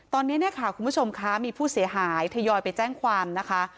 ตอนนี้เนี่ยค่ะคุณผู้ชมคะมีผู้เสียหายทยอยไปแจ้งความนะคะ